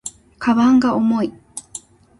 鞄が重い